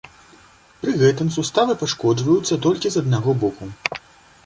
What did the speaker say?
Пры гэтым суставы пашкоджваюцца толькі з аднаго боку.